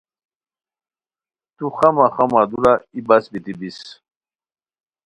تو خواہ مخواہ مہ دُورہ ای بس بیتی بیس